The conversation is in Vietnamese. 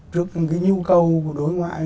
trước những nhu cầu của đối ngoại